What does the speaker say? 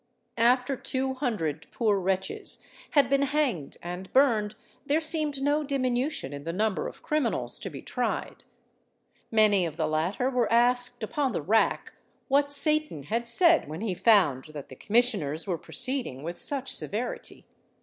After two hundred poor wretches had been hanged and burned, there seemed no diminution in the number of criminals to be tried. Many of the latter were asked upon the rack what Satan had said when he found that the commissioners were proceeding with such severity?